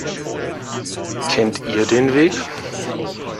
Kennt ihr den Weg?